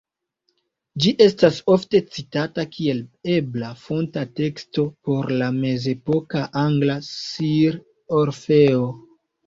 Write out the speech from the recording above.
Ĝi estas ofte citata kiel ebla fonta teksto por la mezepoka angla Sir Orfeo.